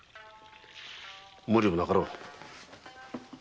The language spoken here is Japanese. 無理もなかろう。